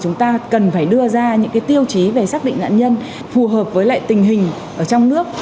chúng ta cần phải đưa ra những tiêu chí về xác định nạn nhân phù hợp với lại tình hình ở trong nước